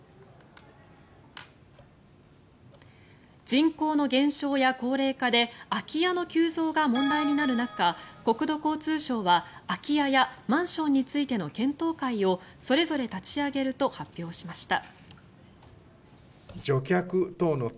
人口の減少や高齢化で空き家の急増が問題になる中国土交通省は空き家やマンションについての検討会をそれぞれ立ち上げると発表しました。